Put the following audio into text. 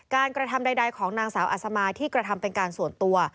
กระทำใดของนางสาวอัศมาที่กระทำเป็นการส่วนตัว